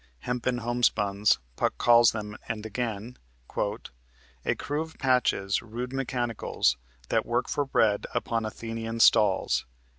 "Hempen home spuns," Puck calls them, and again "A crew of patches, rude mechanicals, That work for bread upon Athenian stalls."